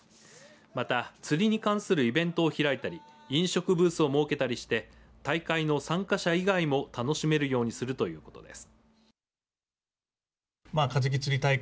また、釣りに関するイベントを開いたり飲食ブースを設けたりして大会の参加者以外も楽しめるようにするということです。